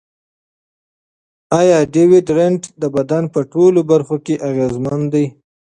ایا ډیوډرنټ د بدن په ټولو برخو کې اغېزمن دی؟